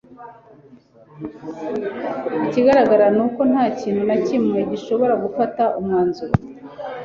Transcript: Ikigaragara ni uko nta kintu na kimwe gishobora gufata umwanzuro